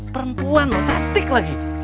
perempuan loh cantik lagi